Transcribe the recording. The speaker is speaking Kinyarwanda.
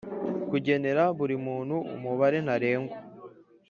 kugenera buri muntu umubare ntarengwa